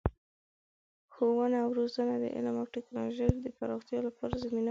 ښوونه او روزنه د علم او تکنالوژۍ د پراختیا لپاره زمینه برابروي.